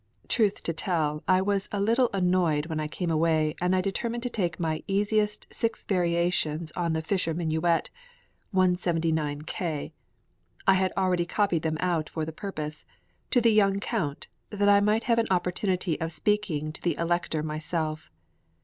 Truth to tell, I was a little annoyed when I came away, and I determined to take my easiest six variations on the Fischer minuet (179 K.) I had already copied them out for the purpose to the young Count, that I might have an opportunity of speaking to the Elector myself.